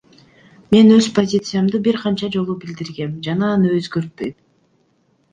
Мен өз позициямды бир канча жолу билдиргем жана аны өзгөртпөйм.